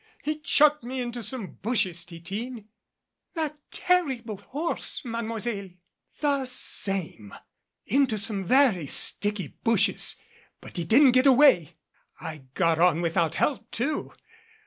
He chucked me into some bushes, Titine " "That terrible horse Mademoiselle !" "The same into some very sticky bushes but he didn't get away. I got on without help, too.